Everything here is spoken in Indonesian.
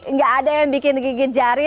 nggak ada yang bikin gigit jari